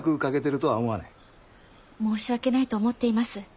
申し訳ないと思っています。